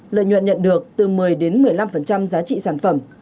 lợi nhuận nhận được từ một mươi một mươi năm giá trị sản phẩm